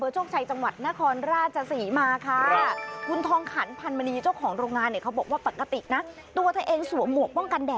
ชื่อหมวกทองกวาวค่ะคุณขา